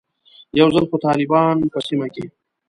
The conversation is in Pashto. یو ځل خو طالبان په سیمه کې.